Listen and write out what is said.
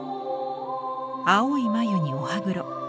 青い眉にお歯黒。